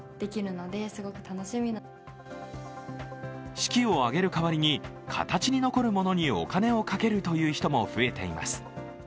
式を挙げる代わりに形に残るものにお金をかけるという人も増えています。